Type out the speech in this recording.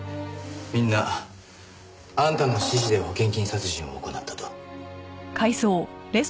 みんなあんたの指示で保険金殺人を行ったと。